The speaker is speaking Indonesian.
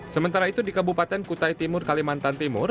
sementara itu di kabupaten kutai timur kalimantan timur